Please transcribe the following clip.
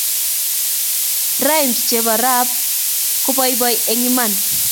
rhymes chepo rap kopoipoito eng iman